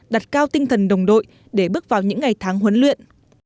đặt cao tinh thần đồng đội để bước vào những ngày tháng huấn luyện